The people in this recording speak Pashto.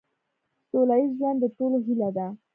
سوله ایز ژوند د ټولو هیله ده.